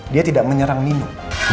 dia tidak menyerang nino